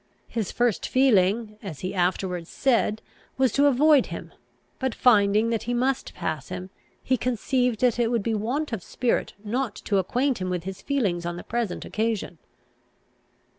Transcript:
His first feeling, as he afterwards said, was to avoid him; but finding that he must pass him, he conceived that it would be want of spirit not to acquaint him with his feelings on the present occasion.